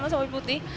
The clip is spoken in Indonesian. sama sawi putih